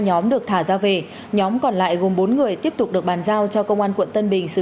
nhóm được thả ra về nhóm còn lại gồm bốn người tiếp tục được bàn giao cho công an quận tân bình xử